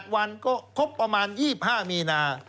วันก็ครบประมาณ๒๕มีนา